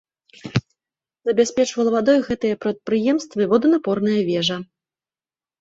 Забяспечвала вадой гэтыя прадпрыемствы воданапорная вежа.